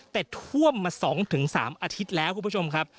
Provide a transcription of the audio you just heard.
แต่ท่วมมา๒๓อาทิตย์แล้วคุณผู้ชมครับ